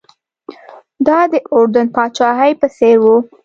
دا د اردن پاچاهۍ په څېر و.